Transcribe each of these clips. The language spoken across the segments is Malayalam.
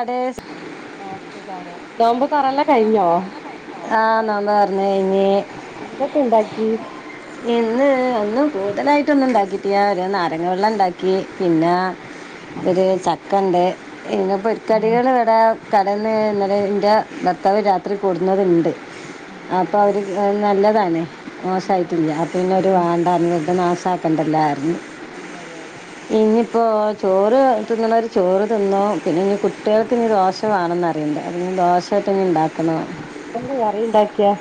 അതെ നോമ്പ് തൊറല്ലാം കഴിഞ്ഞോ? ആഹ് [unintelligible] എന്തൊക്കെ ഇണ്ടാക്കി ഇന്ന് അന്ന് കൂടുതലായിട്ടൊന്നും ണ്ടാക്കിയിട്ടില്ല ഒരു നാരങ്ങ വെള്ളംണ്ടാക്കി പിന്നെ ഒരു ചക്കണ്ട് ഇന്ന് ഇപ്പോ കടികൾ ഇവിടെ കടേന്ന് ഇന്നലെ ന്റെ ഭർത്താവ് രാത്രി കൊട്ന്നതുണ്ട് ആഹ് അപ്പൊ അതെ അവര് നല്ല താനെ ഉം മോശായിട്ടില്ല്യ അപ്പൊപിന്നെ ഓര് വേണ്ട സാക്കണ്ടല്ല അതെ അതെ അതെ ഇനിയിപ്പോ ചോറ് തിന്ന്ണോര് ചോറ് പിന്നെ കുട്ട്യാൾക്കിനി ദോശ വേണെന്നറിയിണ്ട് അപ്പം ഇഞ്ഞ് ദോശയായിട്ട് ഇനി ഉണ്ടാക്കണ എന്താ കറിണ്ടാക്കിയേ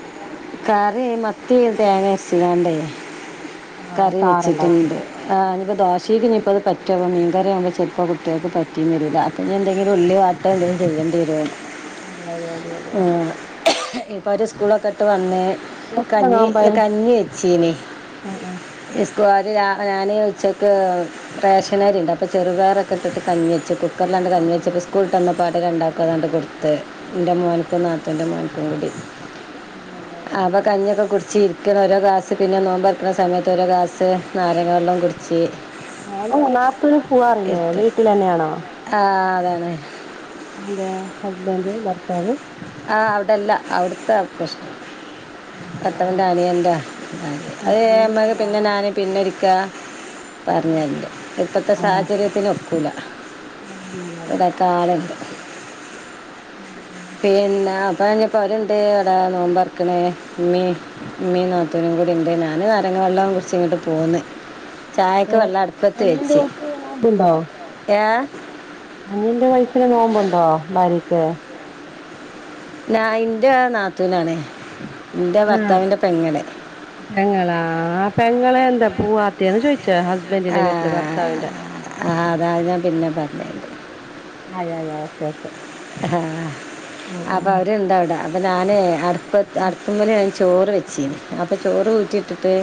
കറി മത്തി തേങ്ങര്ച്ച്ക്കാണ്ടേ ആഹ് കറി ചാറ്ണ്ടാക്കി വെച്ചിട്ടണ്ട് ആ ദോശയ്ക്ക് ഇഞ്ഞ്പ്പത് പറ്റു ആവോ മീൻ കറിയാവുംമ്പോ ചിലപ്പോ കുട്ടികൾക്ക് പറ്റിന്ന് വരില്ല അപ്പ ഞ്ഞെന്തെങ്കിലും ഉള്ളിവാട്ടെ എന്തങ്കിലും ചെയ്യേണ്ടിവരും അതെ അതെ അതെ അതെ ഉം ഇപ്പവര് സ്കൂളൊക്കെ ട്ട് വന്ന് എത്ര കഞ്ഞി നോമ്പായി കഞ്ഞി വെച്ചീനി ആഹ് ചോറ് ഞാ ഞാന് ഉച്ചയ്ക്ക് റേഷനരിണ്ട് അപ്പോ ചെറുപയറൊക്കെ ഇട്ടിട്ട് കഞ്ഞി വച്ച്ക്ക് കുക്കറിലങ്ങട്ട് ആഹ് കഞ്ഞി അതെ വെച്ച്‌ക്ക് സ്കൂൾ വിട്ട് വന്ന പാടെ രണ്ടാക്കും അതങ്ങട്ട് കൊടു ത്ത് ആഹ് ഇൻ്റെ ആഹ് മോൻക്കും നാത്തൂൻ്റെ മോൻ ക്കും കൂടി അതെ അതെ ആ ഇപ്പൊ അതെ കഞ്ഞി ഒക്കെ കുടിച്ച് ഇരി ക്കാണ് ഓരോ ഗ്ലാസ് പിന്നെ നോമ്പൊറക്കണ സമയത്ത് ഓരോ ഗ്ലാസ് നാരങ്ങ വെള്ളം കുടിച്ച് ആഹ് അല്ല നാത്തൂന് പോവാറില്ലേ വീട്ടിലെന്നെയാണോ? വീട്ടിലാണ് അതെന്തെ ഹസ്ബൻ്റ് പൊറ ത്താണ് ആ അവിടെ അല്ല അവിടുത്തെ പ്രശ്നം ആഹ് ഭർത്താവിന്റെ അനിയന്റ ഭാര്യ ആഹ് അത് അമ്മക്ക് അനിയൻണ്ടാ പിന്നെ ഞാന് പിന്നെ ഒരിക്ക പറഞ്ഞര്ണ്ട് ഇപ്പത്തെ ആഹ് സാഹചര്യത്തിനൊ ക്കൂല [unintelligible] ഉം ഉം പിന്നെ ഇപ്പ ഇനി പൊരണ്ട് ഇവ്ടെ നോമ്പൊറക്ക്ണ് ഇമ്മേം ഇമ്മേം നാ ത്തൂനും കൂടി ഇണ്ട് ഞാന് നാരങ്ങ വെള്ളം കുടിച്ച് ഇങ്ങട്ട് പോന്ന്. ഓ ചായക്ക് വെള്ളം അടുപ്പത്ത് അനിയൻ്റെ വെച്ച് ഓൾക്ക് നോമ്പുണ്ടോ? ഏ അനിയന്റെ വൈഫിന് നോമ്പുണ്ടോ? ഭാര്യ ക്ക് ഞാ ഇന്റെ നാത്തൂനാണേ ഇന്റെ ആഹ് ഭർത്താവിന്റെ പെങ്ങള് പെങ്ങളാ ആ പെങ്ങള് എന്താ പോവാത്തേന്ന് ചോയ് ആഹ് ആ അത് അത് ഞാൻ പിന്നെ പറഞ്ഞേരണ്ട് ആയി ആയി ഓക്കെ ഓക്കെ ആഹ് അപ്പൊ അവര്ണ്ടവിട അ പ്പ ഞാന് അടു പ്പത്ത് അടുപ്പ്മ്മല് ഞാൻ ചോറ് വെച്ചിനി അപ്പം ചോറ് ഊറ്റിയിട്ടിട്ട്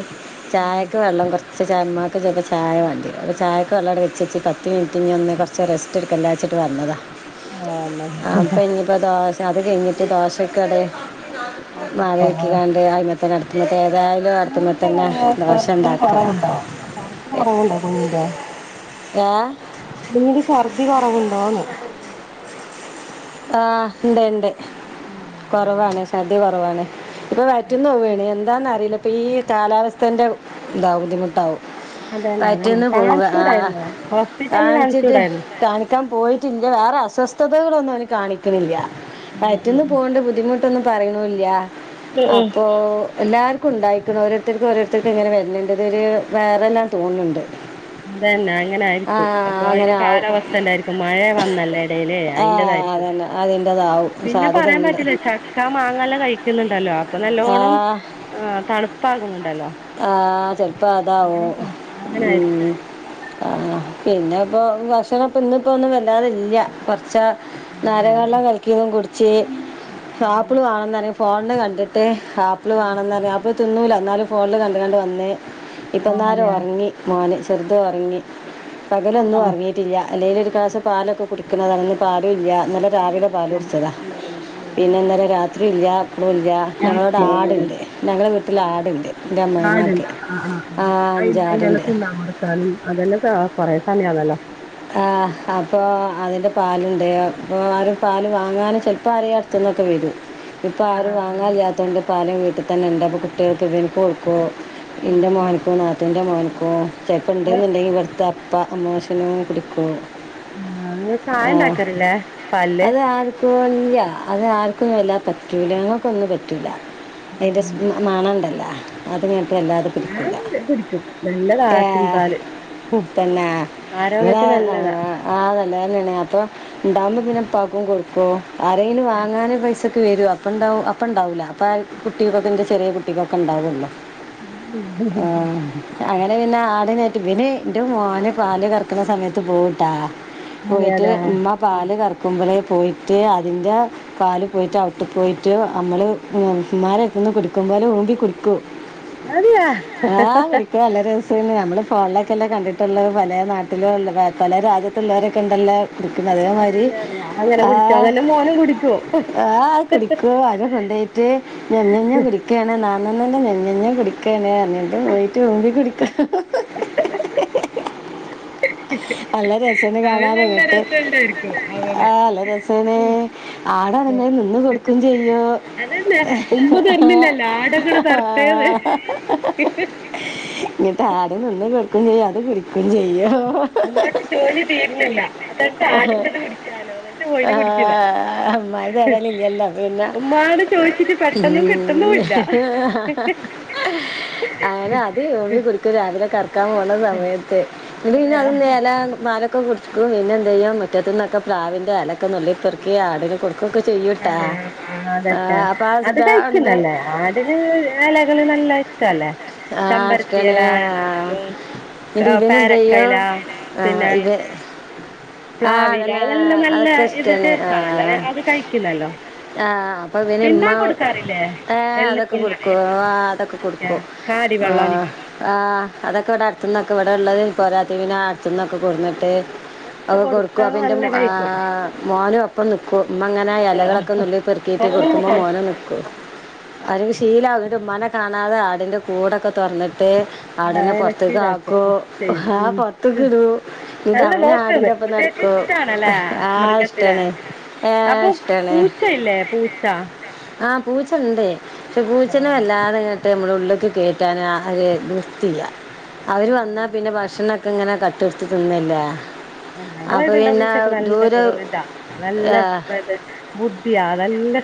ചായക്ക് വെള്ളം കൊർ ച്ച് ചായ മ റ്റോൽക്കൊക്കെ ചായ വാണ്ടിയെ അപ്പോ ചായ വേള്ളട് വെച്ചച്ച് പത്ത് മിനിറ്റ് ഒന്ന് കുറച്ച് റേസ്റ്റ് എടുക്കല്ലാച്ച്ട്ട് വന്നതാ ആ വന്നത് ആ ഇപ്പ ഇനിപ്പാ ദോശ അത് കഴിഞ്ഞിട്ട് ദോശക്കടെ മാവ്കലക്കിക്കാണ്ട് അയിമേ നടക്കുന്ന പേർ കുഞ്ഞിക്ക് ശർദ്ദല് കുറവുണ്ടോ ഉണ്ടാക്കുക ശർദ്ധി കുറവുണ്ടോ കുഞ്ഞിന്റെ ഏ കുഞ്ഞിന്റെ ശർദ്ധി കുറവു ണ്ടോന്ന് ആ ഇണ്ട് ഇണ്ട് കൊറവാണ് ശർദ്ധി കൊ കൊറവാണ് ഇപ്പ വയറ്റിന്ന് പോവണ് എന്ത് എന്താന്ന് അറിയില്ല ഇപ്പം ഈ കാലാവസ്ഥേൻ്റെ ഇതാവും ബുദ്ധിമുട്ടാകും അതന്നെ അതന്നെ വയറ്റിന്ന് പോവുവ ആ കാണിച്ചൂടായിരുന്നോ ഹോസ്പിറ്റലിൽ കാണിച്ചിട്ട് കാണിച്ചൂടായിരുന്നോ കാണിക്കാൻ പോയി ഇല്ല വേറെ അസ്വസ്ഥതകളൊന്നും അവന് കാണിക്കണില്ല ഉം ഉം വയറ്റിന്ന് ഉം പോവ്ണ്ട് ബുദ്ധിമു ട്ടോന്നും പറയണുല്ല ഉം ഉം അപ്പോ എല്ലാർക്കും ഉണ്ടായിക്കണ് ഓരോരുത്തർക്കും ഓരോരുത്തർക്കും ഇങ്ങനെ വരുന്നുണ്ട് ഇതൊരു വൈറൽലാന്ന് തോന്ന്ണ്ട് അതന്നെ അങ്ങനെ ആയിരിക്കും അപ്പോ അങ്ങനെ അതിന്റെ ആവും കാലാവസ്ഥ ഉണ്ടായിരിക്കും മഴ വന്നല്ല എടെല് ആ അയ്ന്റെതായിരിക്കും അതന്നെ അതിൻ്റെതാവും പിന്നെ സാധ്യത പറയാൻ ഉണ്ട് പറ്റില്ല ചക്ക മാങ്ങല്ലാം കഴി ക്കുന്നുണ്ടല്ലോ ഇപ്പ നല്ലോണം ആ തണുപ്പാകുന്നുണ്ട് ആ ചെലപ്പോ അതാവു പോ- അങ്ങനെ ഉം. ആയിരിക്കും ആ പിന്നെ ഇപ്പോ ഭക്ഷണം ഇപ്പോ ഇന്ന് ഇപ്പോ ഒന്നും വല്ലാതില്ല കുറച്ചാ അതെ അതെ നാരങ്ങവെള്ളോം കലക്കിയതും കൊടു ചേ ഉം സാപ്പിൾ വാണംന്ന് പറിം. ഫോണ്ന് കണ്ടിട്ട്. ആപ്പിള് ഉം വേണംന്ന് പറിം. ആപ്പി തിന്നൂല. ഇന്നാലും ഫോണിൽ കണ്ട് കാണ്ട്‌ വന്ന്. ആഹ് ഇപ്പന്നാരം അതെ ഒറങ്ങി മോന്. ചെറുത് ഒറങ്ങി പകലൊന്നും ആഹ് ഒറങ്ങിയിട്ടില്ല അല്ലെങ്കിൽ ഒരു ക്ലാസ് പാലൊക്കെ കുടിക്കുന്നതാണ് ഇന്ന് പാലും ഇല്ല്യ ഇന്നലെ രാവിലെ പാല് കുടിച്ചതാ പിന്നെന്നിലെ രാത്രി ത്രിയില്ല [unintelligible] ഞങ്ങളെവിടെ ആടുണ്ട് ഞങ്ങള് വീട്ടിൽ ആട് ഉണ്ട് ആട് ണ്ടോ ആഹ് ആഹ് ആഹ് അ അയിനെല്ലാം അഞ്ചാടുണ്ട് തിന്നാൻ കൊടുക്കണം അതെല്ലാം ത കൊറെ സമയം ആണല്ലോ ആഹ് അപ്പൊ അതിന്റെ പാലുണ്ട് അപ്പൊ ആരും പാല് വാങ്ങാനും ചിലപ്പോ ആരും അടുത്തന്നൊക്കെ വരും ഇപ്പോ ആരും ആഹ് വാങ്ങാനില്ലാത്തതു കൊണ്ട് പാലും വീട്ടിൽ വീട്ടിൽ തന്നെ ഉണ്ട് അപ്പോൾ കുട്ടികൾക്ക് ഇവനിക്ക് കൊടുക്കുവോ എന്റെ മോനിക്കോ നാത്തൂൻ്റെ മോനിക്കോ അപ്പോ ചെലപ്പോൾ ആഹ് ഉണ്ടെന്നുണ്ടെങ്കിൽ ഇവുടുത്തെ ഉപ്പ [unintelligible] കുടിക്കും ആഹ് നിങ്ങൾ ചായ ഉണ്ടാക്കാറില്ലേ പാലില് അത് ആർക്കും ഇല്ല അത് ആർക്കൊന്നും വല്ലാ പറ്റൂല ഞങ്ങൾക്കൊന്നും പറ്റൂല്ല അതിന്റെ സ്മെൽ മണണ്ടല്ലോ ഞാൻ കുടിക്കും നല്ല ന ഏ, ആട്ടിൻപാല് പിന്നെ ആരോഗ്യ ത്തിന് നല്ലതാ വേറെയാണ് അപ്പം ഉണ്ടാകുമ്പോ പിന്നെ ഉപ്പാക്കും കൊടുക്കും ക്കും ആരെലും വാങ്ങാന് പൈസ വരും അപ്പണ്ടാവ അപ്പ ഉണ്ടാവില്ല അപ്പൊ ആഹ് കുട്ടികൾക്കെ ചെറിയ കുട്ടികളൊക്കെ ഉണ്ടാവൂല്ല ആഹ് അങ്ങനെ പിന്നെ ആടിനെ ഇവന് എന്റെ മോന് പാല് കറക്കു ക്കണ സമയത്ത് പോകൂട്ടാ അതെ പോയിട്ട് അതെ ആ ഉമ്മ പാല് കറക്കുമ്പോളെ പോയിട്ട് അതിൻ്റെ കാല് പോയിട്ട് അകിട്ടിൽ പോയിട്ട് നമ്മൾ മനുഷ്യന്മാരെ അടുത്തുന്ന് കുടുക്കുമ്പോല ഊമ്പി കുടിക്കും അതിയോ നമ്മള് ഫോണില് ഒക്കെല്ലാം കണ്ടിട്ടുള്ളത് പല നാട്ടില് ട്ട പല രാജ്യത്തുള്ളവരൊക്കെ ഉണ്ടല്ലോ കുടിക്കുന്ന അതെ അതേമാരി അതെ അതെ അങ്ങനെ ആ കുടിക്കും അതന്നെ മോനും കുടിക്കോ ആ്ത് കുടിക്കു അര കൊണ്ടയിട്ട് ഞെഞ്ഞഞ്ഞ കുടിക്കയാണ്െന്ന അന്നെ നെഞ്ഞഞ് കുടിക്കേന എന്നിട്ട് [inaudible] [inaudible] നല്ല രസന അവന് കാണാന നല്ല ഇങ്ങട്ട് രസണ്ടായിരിക്കും ആ അവന് നല്ല രസന ആടാണങ്ങെ നിന്ന് കൊടുക്കും ചെയ്യോ അതന്നെ ഉമ്മ തരുന്നില്ലല്ലോ ആടൊക്കെ തറുത്തേന്ന് ഇങ്ങട്ട് ആട് നിന്ന് കൊടുക്ക ും ചെയ്യാ അത് കുരിക്കിക്കും ചെയ്യ ഉമ്ക്ക് ജോലി തീരുന്നില്ല അത് ആടുത്ത കുടിക്കാലോ എന്നട്ട് പോല കുടിക്കില്ല ആഹ് അമ്മായി തരലില്ലല്ലോ പിന്നെ ഉമ്മാോട് ചോദിച്ചിട്ട് പെട്ടന്നും ഉം. കിട്ടുന്നുല്ല അങ്ങനെ അത് നോമ്പി കുടിക്കും ഇ പിന്നത് [inaudible] ആലൊക്കെ കുടിക്കും പിന്നെ എന്ത് ചെയ്യും മുറ്റത്തു നിൊക്കെ പ്രാവിന്റെ അലക്കെ നുള്ളി പെറക്കി ആടും അതെയ അതക്കെ അപ്പൊ ആ അത് ഇതാ ഉണ്ട് കഴിക്കുന്നല്ലേ അതിന് അലകള് നല്ല ഇഷ്ടല്ലേ ആ ഇഷ്ടാണ് ചമ്പരത്തില ആ. ആണെങ്കിലും എന്നിട്ട് ഇവൻ എന്ത് ചെയ്യും പേരക്കയില [unintelligible] ആ, പിന്നെ ഇവ ആ പ്ളാവി അതന്നെ ല്ലനല്ല ഇത് ടേസ്റ്റ് ആണല്ലേ കഴിക്കുന്നല്ലോ ആഹ അപ്പൊ പിന്നെ ഇമ്മ പിണ്ണാ കൊടുക്കാറില്ലേ ഏ എള്ള് അതൊക്കെ പിണ്ണാക്ക് കൊടുക്കും അതൊക്കെ കൊടുക്കും കാടി ആ വെള്ളം ആ അതൊക്കെ ൊക്കെ ഇവി ഉള്ളത് പോയാ അടുത്തന്നൊക്കെ കൊറ [inaudible] അങ്ങനൊക്കെ ഒക്കെ കൊടുക്കു കൊടുത്താൽ പിന്റെ നല്ല ആ കഴിക്കും മോനും പന്ന് കൊ അങ്ങനെ അതെയോ ഇലകളൊക്കെ നുള്ളി പെറുക്കിയിട്ട് നല്ലങ്ങനെ കൊടുക്കുമ്പോൾ മോന കഴിക്കും നൽക്കും ശീലകിട്ട് മന കാണാതെ ആടിൻ്റെ കൂടൊക്കെ തുറന്നിട്ട് മറ്റേ ആഹ് ആടിനെ അങ്ങനൊക്കെ പുറത്തേക്ക് ഇതാക്കും ചെയ്യും ഉം ആക്ക കട ഇ നല്ല അവന നോക്ക്ന്ന് ആടിന്റെ ഒപ്പം കുട്ടികൾക്ക് നടക്കു ഇഷ്ടാണല്ലേ ആ മൃഗത്തിനെ ഇഷ്ടാണ് അപ്പൊ ഇഷ്ടാണ് പൂച്ചയില്ലേ പൂച്ച ആഹ പൂച്ചനുണ്ടേ പക്ഷെ പൂച്ചന വല്ലാതെ എന്നിട്ട് നമ്മുടെ ഉള്ളിലക്ക് കേയറ്റാൻ ആര് ദർത്തിയ അവര് വന്ന ആഹ് പിന്നെ ഭക്ഷണം ഇങ്ങനെ കട്ട് എടുത്തി തിന്നില്ല ആ ഞങ്ങൾായിട്ട്ുണ്ട പൂച്ചക്കെ നല്ല ഇതാ ആ, നല്ല ബുദ്ധിയാ നല്ല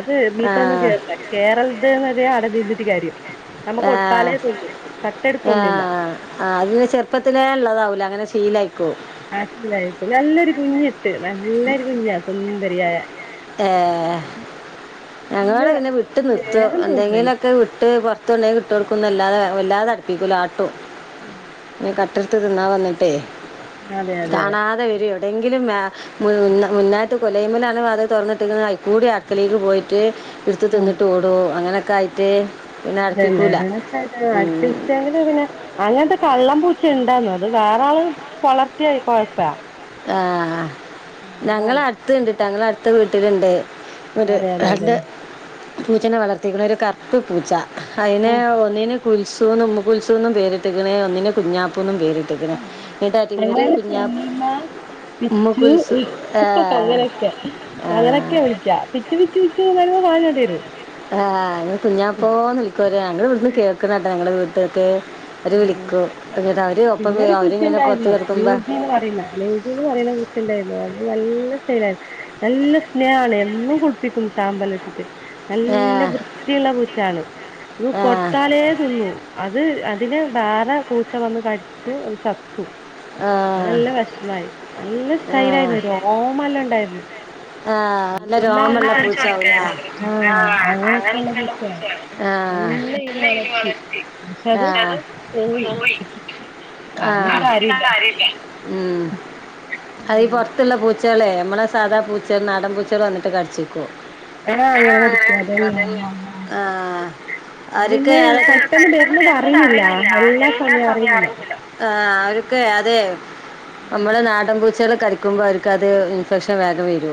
അത് ആ, മീത്തൊന്നും കേറില്ല കേരള അടെ നീന്ട്ട കാര്യം നമ്മക്ക് ആഹ കൊടുത്താലേ തിന്നു കട്ടെടുക്കൊന്നുല്ല ആഹ ആ അതിെ ചെറുപ്പത്തിനേ ഉള്ളതാവൂല അങ്ങനെ ഷീലായി ആ നല്ലൊരു കുഞ്ഞിട്ട് നല്ലരു കുഞ്ഞാ സ്വന്ത ശരിയ ഏ ഞങ്ങളോടെ നല്ല പിന്നെ വിട്ട് നിത്തോ സ്നേഹം തോന്നുന്നതിന് എന്തെങ്കിലുമൊക്കെ വിട്ട്റ ഇത്തണിട്ടുക കൊടുക്കുന്ന അല്ലതെ വല്ലതെ അടുപ്പിക്കൂ കേട്ടോ കട്ടടുത്ത് തിന്നാ വന്നി പ അതെ അതെ കാണാതെ വരോ എന്തെങ്കിലും മുന്നായിട്ട് കൊലയ്മലണ അത് തുറന്നിട്ട് കൂടി അടുക്കലേക്ക് പോയിട്ട് പിടടുത്ത് തിന്നട്ട് ഓടോ അങ്ങനെ കായിത്തെ അ അടുപ്പിച്ചെങ്ക പിന്നെ അങ്ങനത്തെ കള്ളം പൂച്ച [unintelligible] അത് വേറാള് വളർത്തിയാ കൊഴപ്പാ ആഹ് ആഹ് ഞങ്ങളെ അടുത്ത് കണ്ടിട്ടാ ഞങ്ങള അടുത്ത വീട്ടിലുണ്ട് ഒരു അതെ അതെ അതെ രണ്ട് പൂച്ചനെ വളർത്തിക്കണ് ഒരു കറുപ്പ് പൂച്ച ഓ അയിനെ ഒന്നിന് കുത്സൂന്ന് ഉമ്മു കുത്സൂന്നും പേരിട്ടക്കണ് ഒന്നിനെ കുഞ്ഞാപ്പൂന്നും പേരിട്ട്ക്ക്ണ് ഇന്നട്ട് അത് ഒരു ഞങ്ങളെ കുഞ്ഞാപ് ചൊല്ലിമ്മ പിച്ചു അങ്ങനെയൊക്കെ ആ, അങ്ങനൊക്കെ വിളിക്കാ പിച്ചു പിച്ചു ച്ചു [unintelligible] പാഞ്ഞോടി വരും ആ അ കുഞാപ്പോ ന്ന് വിളിക്കും ഞങ്ങള് ഇവിട്ന്ന് കേക്ക്ണ ട്ടോ ഞങ്ങളെ വീ ട്ട്ക്ക് ആ പിന്നൊരു വരും. അവരിങ്ങനെ പുറത്ത് പൂച്ചണ്ടായിര്ന്നു കിടക്കുമ്പോൾ ലൂസിന്ന് പറയുന്നെ ലൂസിന്ന് പറയുന്ന പൂച്ചണ്ടായിരുന്നു നല്ല സൈലായി നല്ല സ്നേഹാണ് എന്നും കുളിപ്പിക്കും ശാമ്പല്ലംട്ടിട്ട് നല്ല വൃത്തിയുള്ള പൂച്ചാണ് ഇത് കൊടുത്താലേ തിന്നു അത് അതിന് വേറെ പൂച്ച വന്ന് കടിച്ചു അത് ച ത്തു അത് നല്ല വെഷ്മായി നല്ല സ്റ്റൈലായിരുന്നു രോമല്ലണ്ടായിരുന്നു ആ നല്ല രോമള്ള പൂച്ചാവും ചോദിക്കായിരുന്നു അതിനെ കുറിച്ച് ആഹ് അങ്ങനെയൊക്കെയുള്ള പൂച്ചയാണ് നല്ല രീതിയിൽ ല്ലേ വളർത്തി പക്ഷെ ആഹ് അത് ആഹ് പോയി [unintelligible] കാര്യല്ല ഉം അതീ ഉം പൊർത്ത്ള്ള പൂച്ച റ്റാളെ ഞമ്മളെ സാധാ പൂച്ച [unintelligible] നാടമ്പൂച്ചാള് വന്ന്ട്ട് കടിച്ചേക്കും ആഹ് അങ്ങനെ കടിക്കും അതന്നെ ആ ആ ഓൽക്ക് പിന്നെ പെട്ടെന്ന് വരുന്നത് അറിയുന്നില്ല എല്ലാ സമയം അറിയുന്നില്ല അത് നമ്മുടെ നാടൻപൂച്ച ച്ചാള് കടിക്കുമ്പോ അവർക്കത് ഇൻഫെക്ഷൻ വേഗം വെരും ആഹ്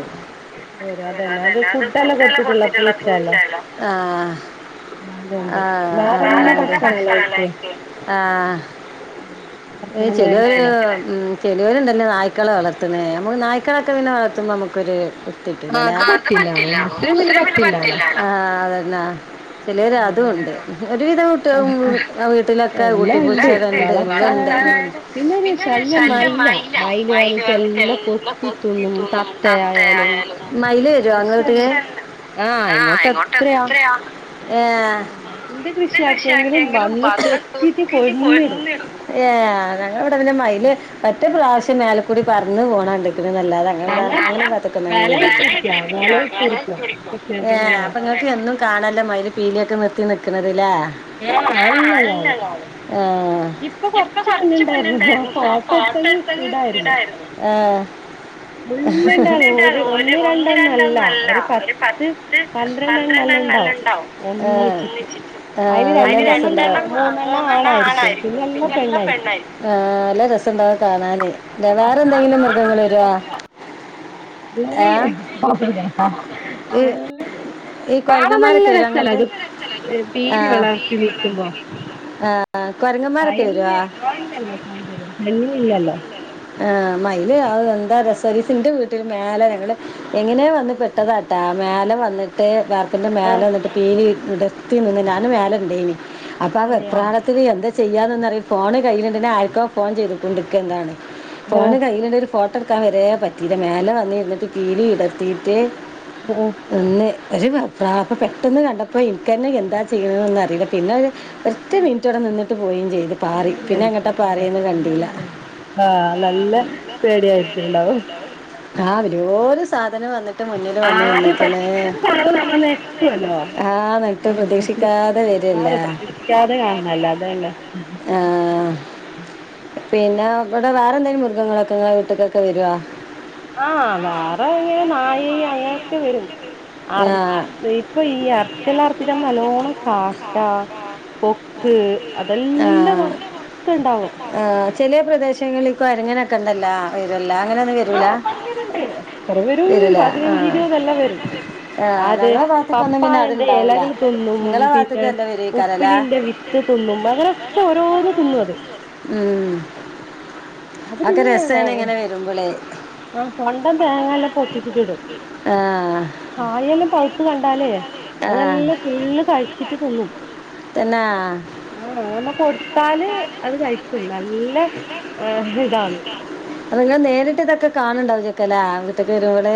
പ്രശ്നം വരും അതന്നെ അത് ഫുഡെല്ലാം കൊടുത്തിട്ടുള്ള പൂച്ചല്ലേ അതുകൊണ്ട് ആഹ് ആഹ് വേറെന്നെ ഭക്ഷണല്ലേ കഴിക്ക ആഹ് പൊറത്ത്ന്ന് അഹ്ചെലോല് മേടിക്കണേ ഉം ചെലോല്ണ്ടല്ലോ നായ്ക്കളെ വളർ ത്ത്ണ് ഞമ്മക്ക് നായ്ക്കളെക്കെ പിന്നെ വളർത്തുമ്പ നമ് ക്കൊര് ആഹ് ത്ത്ട്ടൂലല്ലേ അത് പറ്റില്ല മുസ്ലിം പിന്നെ പറ്റില്ലാലോ ആഹ് അതന്നാ ചിലര് അങ്ങനെ അതുംണ്ട് ആഹ് ഒര് വിധം ആഹ് വീട്ട്ലൊക്കെ എല്ലാം ഉണ്ട് കുട്ടിപ്പൂച്ചക്കെണ്ട് വടെണ്ട് വളർത്താനാണെങ്കിൽ ഉം ഒരു പിന്നെ ഒര് ശല്യം മയില മൈന മയില് മൈന് വന്നിട്ട് വന്ന്ട്ട് എല്ലാം എല്ലം കൊത്തിത്തിന്നും കൊത്തിതുന്നും ക തത്തയായാലും ത്തയായാലും മയില് വരോ ഇങ്ങളെ വീട്ട്ക്ക് കൃഷിയല്ല ആഹ് ഇങ്ങോട്ട് എത്രയാ ഇങ്ങോട്ടെത്രെയാ ഏഹ് ആഹ് എന്ത് ഷെ കൃഷിയാക്കിയെങ്കിലും ആർക്കെങ്ങിലും വന്ന് വന്നാ കൊത്തിട്ട് കൊത്തീട്ട് കൊന്നിടും പൊര്ഞ്ഞെട് ഏഹ് ഞങ്ങളെവ്ടെ പിന്നെ മയ്ല് വ ഒറ്റ പ്രാവശ്യം മേലക്കൂടി പറന്ന് പോണണ്ട് ഞങ്ങൾ [unintelligible] [unintelligible] അപ്പ വലയിട്ടിരിക്ക വലയിട്ടിരിക്ക കൃഷിയൊന്നും നേരത്ത് നിങ്ങക്ക് എന്നും കാണാലെ മയില് പീലി - നിർത്തി നിൽക്കുന്ന ത്‌ലെ ആഹ് എല്ലാം കാണും [unintelligible] ഉ ഇപ്പ കൊറച്ച് മുന്നേ ണ്ടായിരുന്നു ഫോട്ടോ എടുത്തങ്ങ് വിടായിരുന്നു മുള്ളണ്ടാണ് ഓര് ഒരു ഒന്ന് രണ്ടൊന്നും അല്ല ഒരു പത്ത് പന്ത്രെണ്ണം എല്ലാം ഉണ്ടാവും ഒന്നിച്ചിട്ട് അ രണ്ടെണ്ണം മൂന്നെണ്ണം ആയിയിരിക്കും പിന്നെ എല്ലാം പെണ്ണായിരിക്കും ആനല്ലരസംണ്ടാവും കാണാന് ഇല്ലാ വേറെ എന്തെങ്കിലും മൃഗങ്ങൾ കാണാൻ നല്ല വരുവാ രസാ ആ ഈ [unintelligible] ഈ കാണാൻ നല്ല കുരങ്ങന്മാരൊക്കെ വരും രസല്ലേ അങ്ങോട്ട് അത് ആ പീലി വെളർത്തി നിക്കുമ്പോ ആ കുരങ്ങന്മാരൊക്കെ മയിലില് വരുവാ ആണിലല്ല സൗന്ദര്യം പെണ്ണിനില്ലല്ലോ ആ മയില് അ എന്താ രസം ഒരു സം എന്റെ വീട്ടിൽ മേലെ ഞങ്ങള് എങ്ങനെ വന്ന് പെട്ടതാട്ടാ മേലെ വന്നിട്ട് വാർ ത്തിൻ്റെ മേല് ആഹ് വന്നിട്ട് പീലി വിടർത്തിനിന്നു ഞാനും മേലെ ഉണ്ടായിനി അപ്പൊ ആ അതെയാ വെപ്രാളത്തില് എന്ത് ചെയ്യാതെന്നറിയാം ഫോണ് കയ്യിയിലുണ്ടെ ആർക്കോ ഫോൺ ചെയ്ത കൊണ്ടിക്കുക എന്താണ് ആഹ് ഫോണ് കയ്യിലുണ്ട് ഒരു ഫോ ട്ടടക്കാൻ വരെ പറ്റിയില്ല മേലെ വന്നിരുന്നിട്ട് പീലി വിടർത്തിയിട്ട് ആഹ് പിന്നെ ഒര് വെപ്രാഹം പെട്ടെന്ന് കണ്ടപ്പം എൻക്കെന്നെ എന്താ ചെയ്യ്ണെന്നൊന്നും അറീല പിന്ന ഒര് ഒറ്റ മിനിറ്റവിടെനിന്നിട്ട് പോയും ചെയ്ത് പാറി പിന്നെ പേടിയായിരിക്കും എങ്ങട്ടാ നല്ല പാറീന്ന് നല്ല കണ്ടീല പേടിയായിരിക്കും ആഹ് നല്ല പേടിയായിട്ടുണ്ടാവും [unintelligible] ആ വെല്ല്യോര് സാ സാധനം വന്ന് മുന്നില് ആദ്യം നിന്ന്ക്ക്ണ് പെട്ടെന്ന് കാണു ന്നമ്മൾ ഒന്ന് നെട്ടുല്ലോ ആഹ് ന്നിട്ട് പ്രതീക്ഷിക്കാതെ വരല്ലേ അതെ പ്രതീക്ഷിക്കാതെ കാണുന്നെല്ലേ അതെന്നെ കാണതാണ് പിന്നേം വടെ വേറ എന്തേലുംമൃഗങ്ങളൊക്കെ നി ങ്ങള വീട്ടിലേക്ക് ഒക്കെ വരോ ആ വേറ പിന്നെ വേറെ ഒരു ന്നായേയ്അ നായി അങ്ങനൊക്കെ വെരും വരും ആഹ് അർഇപ്പ ഈ ഇപ്പൊ അടുത്തുള്ള അറച്ചലാർത്തിക്ക് അടുത്ത് ന്നല്ലോണം നല്ലോണം കാക്ക, കൊക്ക് പോത്ത് അതെല്ലം ന്നർച്ച് ഇണ്ടാഉം. ചെലെ പ്രദേശങ്ങള്ല് കൊരങ്ങനൊക്കെ ണ്ടല്ലോ വരൂഎൽ ആ ഇപ്പങ്ങനെണ്ട്. എത്ര വെരും വരൂല പതിനഞ്ച് ആഹ് ഇരുപതെല്ലാം വെരും ആഹ് അത് ഞങ്ങളെ ഭാഗത്ത്ക്കൊന്നും പിന്നെ പപ്പായന്റെ അത്ണ്ടാവൂല എലകള് തിന്നും. നിങ്ങളെ പിന്നെ ഭാഗത്ത്ക്കല്ലേ വരേക്കാരല്ലേ ഉപ്പ്ലിന്റെ വിത്ത് തിന്നും അങ്ങനൊക്കെ ഓരോന്ന് തിന്നു അത്. ഉം അത് അതൊക്കെ പിന്നെ രസാണ് ഇങ്ങനെ വരുമ്പളേ ആ കൊണ്ടം തേങ്ങല്ലം പൊട്ടിച്ചിട്ടിടും ആഹ് കായെല്ലം പൗത്ത് കൺ ട്ടാലേ. ആഹ് അതെല്ലം ഫുള്ള് കഴ്ച്ചിട്ട് ത് ന്നും. തന്നാ ആ അമ്മ കൊട് ത്താല് അത് കഴിക്കും. ന്നല്ല ഹ് [inaudible] ഇതാന്ന്. അത് ഇങ്ങള് നേര്ട്ട് ഇതൊക്കെ കാണ് ണ്ടാവെകുലെ വീട്ട്ക്ക് വരുമ്പള്.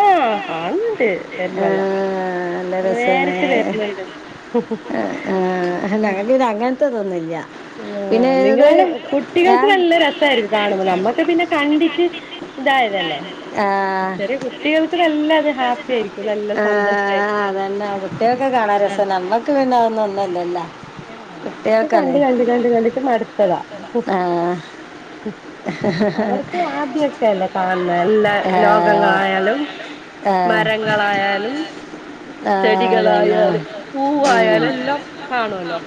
ആ കാണ്ന്ന്ണ്ട് വെരുമ്പൊ എല്ലാ ആഹ് നല്ല രസാണ് ന്നേര്ട്ട് വെര്ന്ന്ണ്ട് ത്ത തൊന്നുല്ല്യ ആ നിങ്ങളടെ കുട്ടികൾക്ക് ഏഹ് ന്നല്ല രസായ്ര്ക്ക് കാണുമ്പാ ന്നമ്മക്ക് പിന്നെ കണ്ടിട്ട് ഇതായതല്ലേ ആഹ് ചെറിയ കുട്ടികക്ക് നല്ല അത് ഹാപ്പി ആയിര്ക്കും നല്ല സന്തോഷ ആഹ് ആയിര്ക്കും അതന്നെ ആ ന്ന്ഒന്നല്ലല്ല ആ കണ്ട് കണ്ട് കണ്ട് കണ്ട്ട്ട് മട്ത്തതാ ആഹ് അവർക്ക് ആദ്യ ഒക്കെ അല്ലേ കാണ് ണെ എല്ലാ ആഹ് ആഹ് ലോകങ്ങളായാലും മരങ്ങളായാലും ആഹ് അതന്നെ ചെടികളായാലും ഉം പൂവായാലും എല്ലം കാണുല്ലോ